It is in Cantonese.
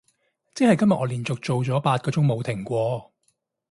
即係我今日連續做咗八個鐘冇停過